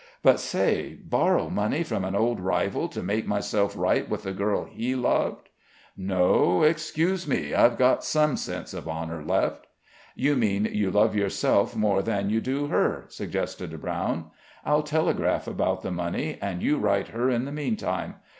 But, say borrow money from an old rival to make myself right with the girl he loved! No, excuse me. I've got some sense of honor left!" "You mean you love yourself more than you do her," suggested Brown. "I'll telegraph about the money, and you write her in the meantime.